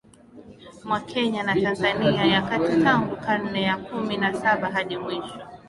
mwa Kenya na Tanzania ya kati tangu karne ya kumi na saba hadi mwisho